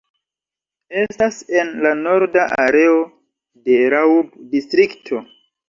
Estas en la norda areo de Raub-distrikto.